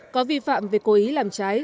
có vi phạm về cố ý làm trái